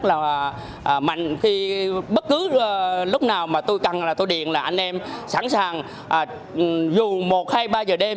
lúc nào mà tôi cần là tôi điện là anh em sẵn sàng dù một hay ba giờ đêm